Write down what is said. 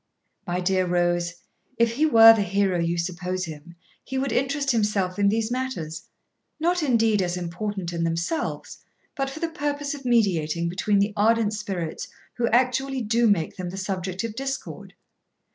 'My dear Rose, if he were the hero you suppose him he would interest himself in these matters, not indeed as important in themselves, but for the purpose of mediating between the ardent spirits who actually do make them the subject of discord.